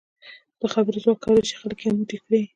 د خبرو ځواک کولای شي خلک یو موټی کړي.